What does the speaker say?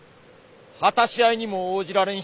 果たし合いにも応じられん